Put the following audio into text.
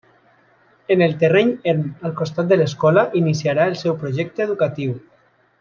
En el terreny erm al costat de l'escola iniciarà el seu projecte educatiu.